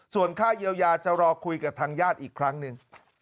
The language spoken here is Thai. ส่วนค่าเยียวยาจะรอคุยกับทางญาติอีกครั้งหนึ่ง